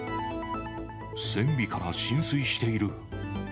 船尾から浸水している。